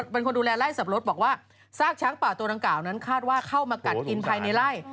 เป็นคนดูแลไล่สับปะรดบอกว่าซากช้างป่าตัวดังกล่าวนั้นคาดว่าเข้ามากัดกินภายในไล่